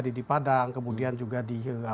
di padang kemudian juga di